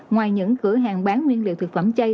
ngoài những cửa hàng bán nguyên liệu thực phẩm chay